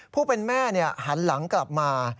ผู้เป็นแม่หันหลังกลับมา